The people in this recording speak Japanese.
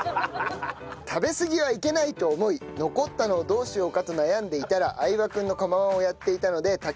食べすぎはいけないと思い残ったのをどうしようかと悩んでいたら相葉君の釜−１をやっていたので炊き込んでみました。